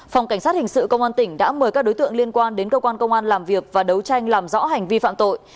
phòng cảnh sát hình sự công an tỉnh đã mời các đối tượng liên quan đến cơ quan công an làm việc và đấu tranh làm rõ hành vi phạm tội